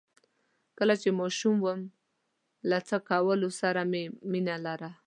کله چې ماشوم وم له څه کولو سره مې مينه لرله؟